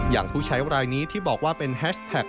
ผู้ใช้รายนี้ที่บอกว่าเป็นแฮชแท็ก